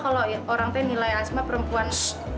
kalau orang tuh nilai asmat perempuan